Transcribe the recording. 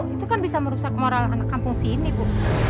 itu kan bisa merusak moral anak kampung sini bu